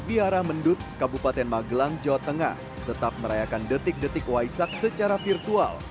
biara mendut kabupaten magelang jawa tengah tetap merayakan detik detik waisak secara virtual